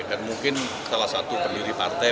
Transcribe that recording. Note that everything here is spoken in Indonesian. dan mungkin salah satu pendiri partai